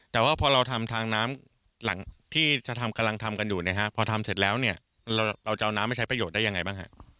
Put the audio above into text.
แต่พอเราทำทางน้ำที่กำลังทำกันอยู่พอทำเสร็จแล้วเราจะเอาน้ำไปใช้ประโยชน์ได้อย่างไรบ้าง